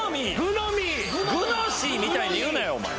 「グノシー」みたいに言うなよ。